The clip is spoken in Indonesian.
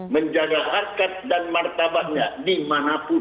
menjaga harkat dan martabatnya dimanapun